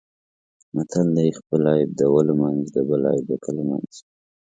متل دی: خپل عیب د ولو منځ د بل عیب د کلو منځ دی.